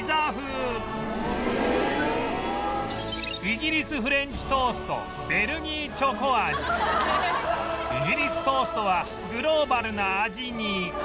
イギリスフレンチトーストイギリストーストはグローバルな味に